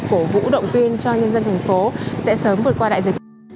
cổ vũ động viên cho nhân dân thành phố sẽ sớm vượt qua đại dịch